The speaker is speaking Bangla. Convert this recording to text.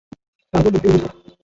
তারা বলল, হে মূসা!